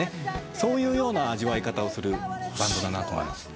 そういうような味わい方をするバンドだなと思います。